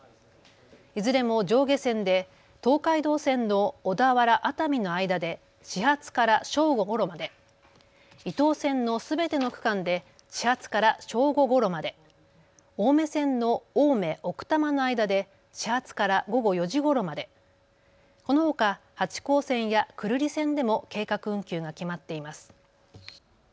いずれも上下線で東海道線の小田原・熱海の間で始発から正午ごろまで、伊東線のすべての区間で始発から正午ごろまで、青梅線の青梅・奥多摩の間で始発から午後４時ごろまで、このほか八高線や久留里線でも計画運休が決まっています。